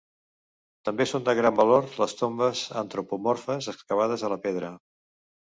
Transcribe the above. També són de gran valor les tombes antropomorfes excavades a la pedra.